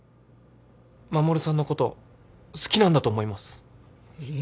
衛さんのこと好きなんだと思います。え。